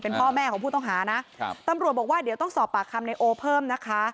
พ่อแม่ของผู้ต้องหานะครับตำรวจบอกว่าเดี๋ยวต้องสอบปากคำในโอเพิ่มนะคะ